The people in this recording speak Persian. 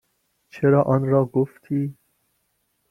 چرا آنرا گفتی؟